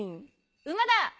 馬だ！